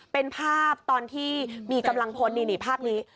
เป็นภาพตอนที่มีกำลังพลนี่ภาพนี้